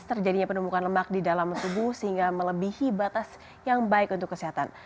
terjadinya penumbukan lemak di dalam tubuh sehingga melebihi batas yang baik untuk kesehatan